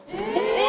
え？